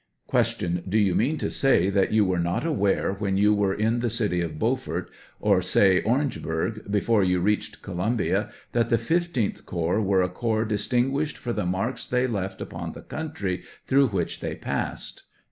Q. Do you mean to say that you were not aware, when you were in the city of Beaufort, or say Orange burg, before you reached Columbia, that the 15th corps were a corps distinguished for the marks they left upon thC' country through which they passed